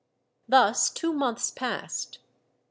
Thus two months passed.